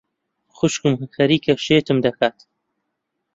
خوشکم خەریکە شێتم دەکات.